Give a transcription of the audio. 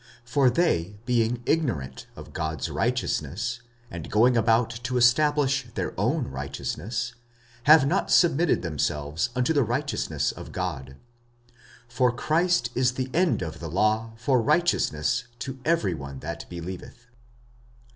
45:010:003 For they being ignorant of God's righteousness, and going about to establish their own righteousness, have not submitted themselves unto the righteousness of God. 45:010:004 For Christ is the end of the law for righteousness to every one that believeth.